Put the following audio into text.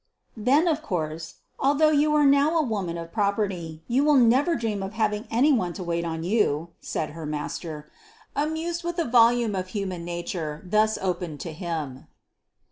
"Then of course, although you are now a woman of property, you will never dream of having any one to wait on you," said her master, amused with the volume of human nature thus opened to him.